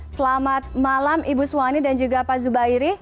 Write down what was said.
selamat malam ibu suwani dan juga pak zubairi